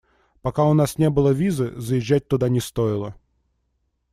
Пока у нас не было визы, заезжать туда не стоило.